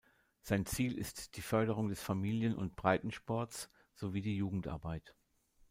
Sein Ziel ist die Förderung des Familien- und Breitensports sowie die Jugendarbeit.